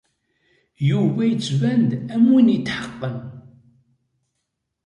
Yuba yettban-d am win yetḥeqqen.